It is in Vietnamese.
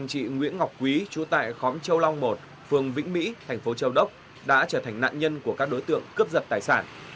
chị nguyễn ngọc quý chú tại khóm châu long một phường vĩnh mỹ thành phố châu đốc đã trở thành nạn nhân của các đối tượng cướp giật tài sản